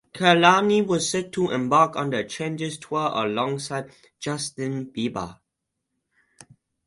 Kehlani was set to embark on the Changes Tour alongside Justin Bieber.